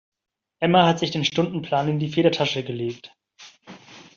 Emma hat sich den Stundenplan in die Federtasche gelegt.